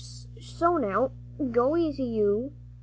Sho now, go easy, you!"